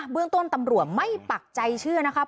เรื่องต้นตำรวจไม่ปักใจเชื่อนะครับ